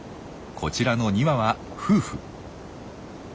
こちらの２羽は夫婦。